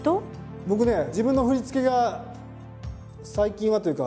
僕ね自分の振り付けが最近はというか